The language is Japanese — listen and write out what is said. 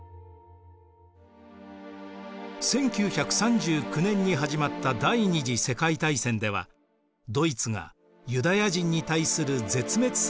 １９３９年に始まった第二次世界大戦ではドイツがユダヤ人に対する絶滅政策を実行します。